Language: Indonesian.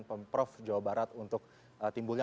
pemprov jawa barat untuk timbulnya